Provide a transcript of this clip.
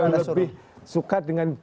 anda suruh saya lebih suka dengan